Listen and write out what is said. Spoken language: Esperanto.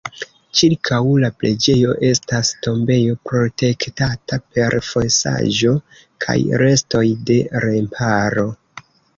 Ĉirkaŭ la preĝejo estas tombejo protektata per fosaĵo kaj restoj de remparo.